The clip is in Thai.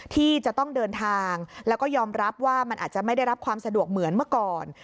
ที่จะต้องเดินทางแล้วก็ยอมรับว่ามันอาจจะไม่ได้รับความสะดวกเหมือนเมื่อก่อน